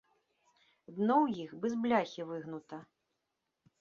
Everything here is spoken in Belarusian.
Дно ў іх бы з бляхі выгнута.